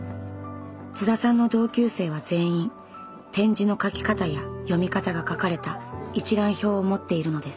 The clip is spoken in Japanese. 津田さんの同級生は全員点字の書き方や読み方が書かれた一覧表を持っているのです。